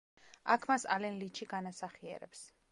აქ მას ალენ ლიჩი განასახიერებს.